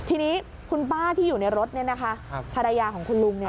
ทีนี้คุณป้าที่อยู่ในรถภรรยาของคุณลุง